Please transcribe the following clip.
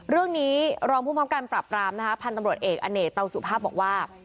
เรื่องนี้รองภูมิพร้อมการปรับรามนะคะพันธุ์ตำรวจเอกอเนกเตาสุภาพบอกว่า